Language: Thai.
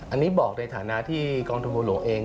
อันนี้บอกในฐานะที่กองทุนบัวหลวงเอง